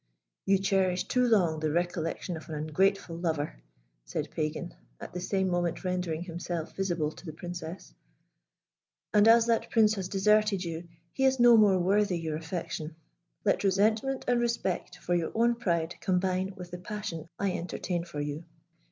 "You cherish too long the recollection of an ungrateful lover," said Pagan, at the same moment rendering himself visible to the Princess, "and as that Prince has deserted you, he is no more worthy your affection. Let resentment and respect for your own pride combine with the passion I entertain for you.